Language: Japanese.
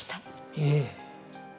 いえ。